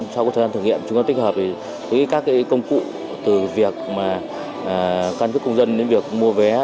sau thời gian thử nghiệm chúng ta tích hợp với các công cụ từ việc căn cứ công dân đến việc mua vé